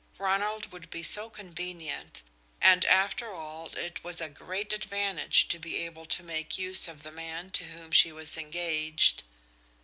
Ronald would be so convenient, and after all it was a great advantage to be able to make use of the man to whom she was engaged.